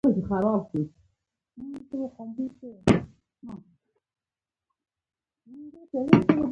زموږ سفرونه د کندهار په دغو ولسوالیو کي تر سره سو.